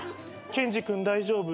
ケンジ君大丈夫。